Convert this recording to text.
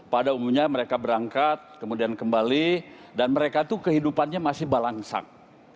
pada umumnya mereka berangkat kemudian kembali dan mereka tuh kehidupannya masih balangsang